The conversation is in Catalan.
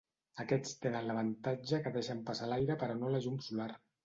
Aquests tenen l'avantatge que deixen passar l'aire però no la llum solar.